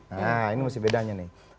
nah ini masih bedanya nih